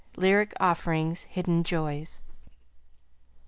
Lyric Offerings. Hidden Joys.